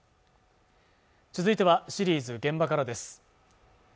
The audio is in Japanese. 続いてはシリーズ「現場から」です